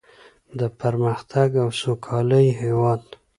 د پرمختګ او سوکالۍ هیواد.